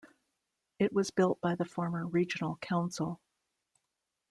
It was built by the former Regional Council.